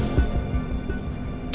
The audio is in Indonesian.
tidak ada yang bisa dikira